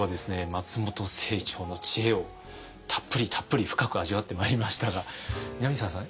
松本清張の知恵をたっぷりたっぷり深く味わってまいりましたが南沢さん